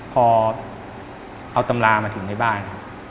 พอเอาตำรามาถึงในบ้านครับ